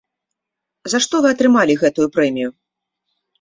За што вы атрымалі гэтую прэмію?